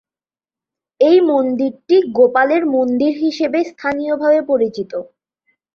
এই মন্দিরটি "গোপালের মন্দির" হিসেবে স্থানীয়ভাবে পরিচিত।